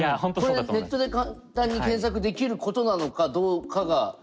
これネットで簡単に検索できることなのかどうかが分からない。